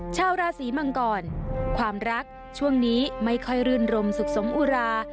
ชาวราศีมังกรความรักช่วงนี้ไม่ค่อยรื่นรมสุขสมอุรา